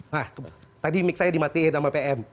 nah tadi mix saya dimatiin sama pm